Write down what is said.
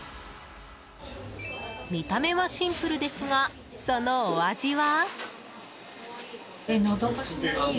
見た目はシンプルですがそのお味は。